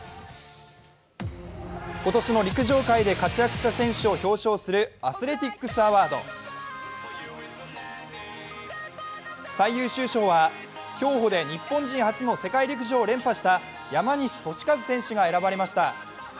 今年の陸上界で活躍した選手を表彰するアスレティックス・アワード西遊少将は競歩で世界陸上を連覇した山西利和選手が選ばれました。